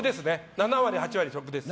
７割８割食です。